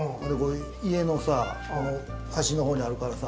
家のさ端の方にあるからさ。